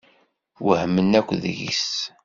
Wehmen akk deg-s.